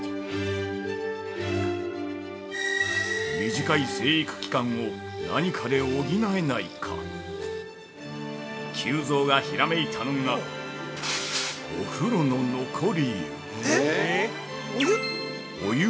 ◆短い生育期間を何かで補えないか久蔵がひらめいたのがお風呂の残り湯。